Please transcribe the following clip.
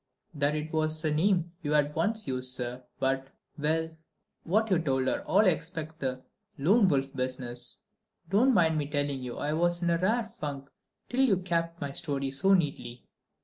"That it was a name you had once used, sir, but.... Well, what you told her, all except the Lone Wolf business. Don't mind telling you I was in a rare funk till you capped my story so neatly."